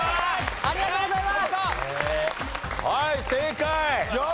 ありがとうございます！